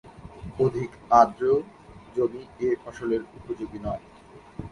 অধিক আর্দ্র জমি এ ফসলের উপযোগী নয়।